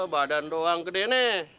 badan doang gede nih